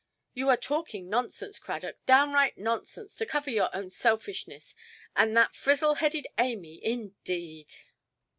You are talking nonsense, Cradock, downright nonsense, to cover your own selfishness. And that frizzle–headed Amy, indeed"!